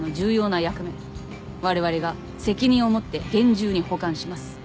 われわれが責任を持って厳重に保管します。